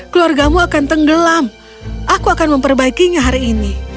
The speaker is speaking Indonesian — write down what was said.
keluargamu akan tenggelam aku akan memperbaikinya hari ini